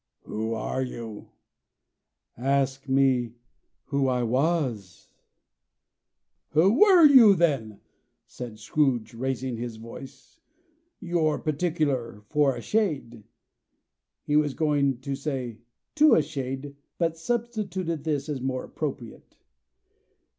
"Who are you?" "Ask me who I was." "Who were you then?" said Scrooge, raising his voice. "You're particular, for a shade." He was going to say "to a shade," but substituted this, as more appropriate.